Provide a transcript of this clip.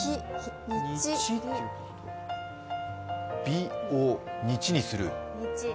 びを日にする。